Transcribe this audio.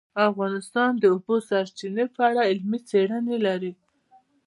افغانستان د د اوبو سرچینې په اړه علمي څېړنې لري.